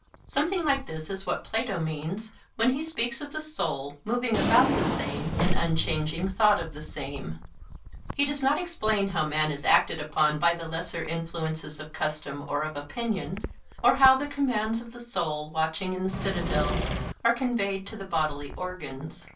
Something like this is what Plato means when he speaks of the soul 'moving about the same in unchanging thought of the same.' He does not explain how man is acted upon by the lesser influences of custom or of opinion; or how the commands of the soul watching in the citadel are conveyed to the bodily organs.